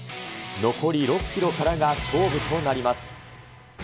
残り６キロからが勝負となります。